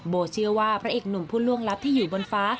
เชื่อว่าพระเอกหนุ่มผู้ล่วงลับที่อยู่บนฟ้า